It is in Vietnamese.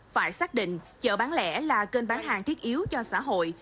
phải xác định chợ bán lẻ là kênh bán hàng thiết yếu cho xã hội